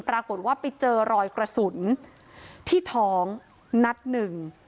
ปรากฏว่าไปเจอรอยกระสุนที่ท้องนัดหนึ่ง